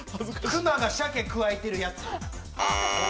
クマが鮭くわえてるやつ。